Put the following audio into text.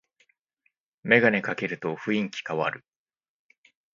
メガネかけると雰囲気かわる